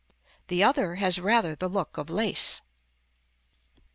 The other has rather the look of lace.